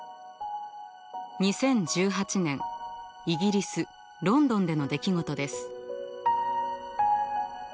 ２０１８年イギリス・ロンドンでの出来事です。